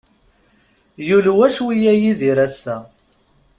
Yulwa cwiya Yidir ass-a.